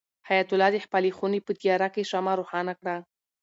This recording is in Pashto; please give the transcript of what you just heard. حیات الله د خپلې خونې په تیاره کې شمع روښانه کړه.